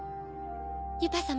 ユパ様